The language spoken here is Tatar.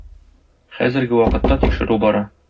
Хәзерге вакытта тикшерү бара.